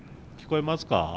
聞こえますか？